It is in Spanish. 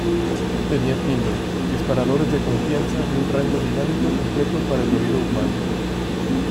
Tenía timbre, disparadores de confianza y un rango dinámico completo para el oído humano.